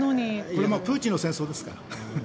これはプーチンの戦争ですから。